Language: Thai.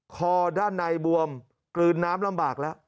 คอด้านในบวมกลืนน้ำลำบากแล้ว